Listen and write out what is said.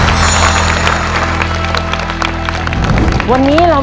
คุณฝนจากชายบรรยาย